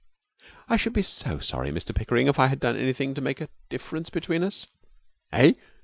'I should be so sorry, Mr Pickering, if I had done anything to make a difference between us ' 'Eh?'